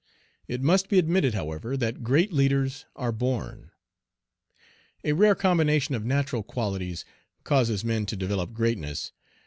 It must be admitted, however, that great leaders are born. A rare combination of natural qualities causes men to develop greatness.